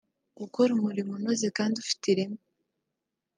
gukora umurimo unoze kandi ufite ireme